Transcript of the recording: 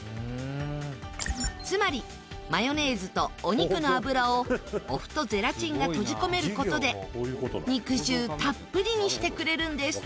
つまりマヨネーズとお肉の脂をお麩とゼラチンが閉じ込める事で肉汁たっぷりにしてくれるんです